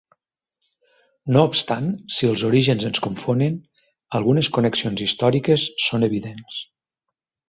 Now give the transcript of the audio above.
No obstant, si els orígens ens confonen, algunes connexions històriques són evidents.